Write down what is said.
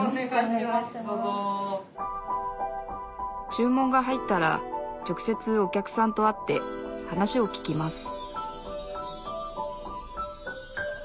注文が入ったら直接お客さんと会って話を聞きます